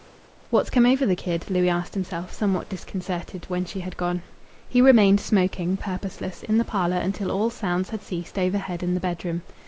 "What's come over the kid?" Louis asked himself, somewhat disconcerted, when she had gone. He remained smoking, purposeless, in the parlour until all sounds had ceased overhead in the bedroom.